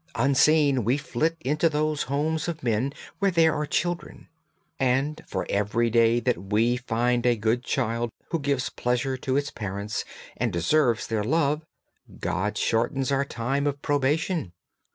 'Unseen we flit into those homes of men where there are children, and for every day that we find a good child who gives pleasure to its parents and deserves their love God shortens our time of probation.